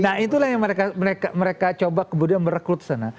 nah itulah yang mereka coba kemudian merekrut sana